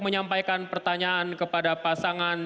menyampaikan pertanyaan kepada pasangan